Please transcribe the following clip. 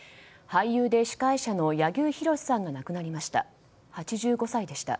俳優で司会者の柳生博さんが亡くなりました。